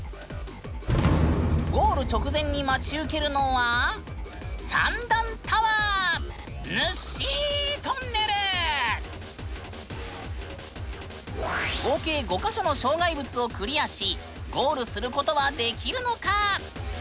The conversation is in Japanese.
ゴール直前に待ち受けるのは合計５か所の障害物をクリアしゴールすることはできるのか